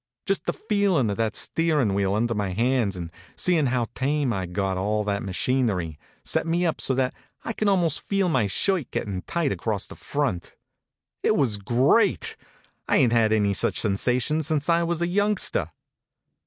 Just the feel of that steerin wheel under my hands, and seein how tame I d got all that machinery, set me up so that I could almost feel my shirt gettin tight across the front. It was great! I ain t had any such sensations since I was a youngster.